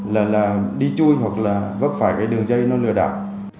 là đi chui hoặc là vấp phải cái đường dây nó lừa đảo